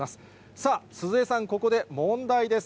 さあ、鈴江さん、ここで問題です。